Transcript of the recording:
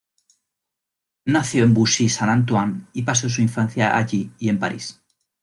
Nació en Boussy-Saint-Antoine y pasó su infancia allí y en París.